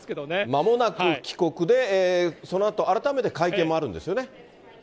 まもなく帰国で、そのあと改めて会見もあるんですよね？